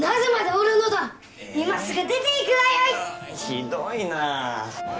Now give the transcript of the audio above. ひどいなあ。